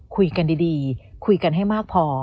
คุยกันดีคุยกันให้มากพอ